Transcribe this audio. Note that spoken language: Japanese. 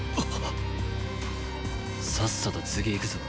さっさと次行くぞ。